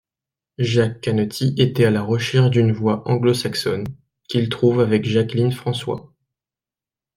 Jacques Canetti était à la recherche d'une voix anglo-saxonne, qu'il trouve avec Jacqueline François.